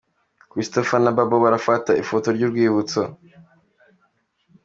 Christopher na Babo barafata ifoto y'urwibutso.